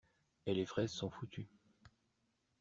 Et les fraises sont foutues.